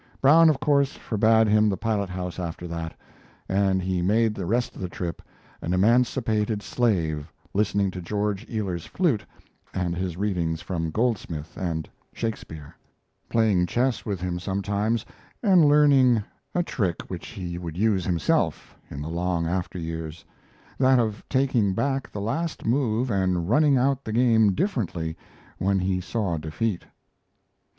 Brown, of course, forbade him the pilothouse after that, and he spent the rest of the trip "an emancipated slave" listening to George Ealer's flute and his readings from Goldsmith and Shakespeare; playing chess with him sometimes, and learning a trick which he would use himself in the long after years that of taking back the last move and running out the game differently when he saw defeat.